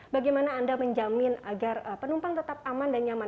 bagaimana anda menjamin agar penumpang tetap aman dan nyaman